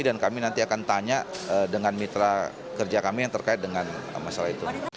dan kami nanti akan tanya dengan mitra kerja kami yang terkait dengan masalah itu